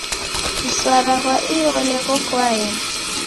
Msara ghwa iole ghoko aeni.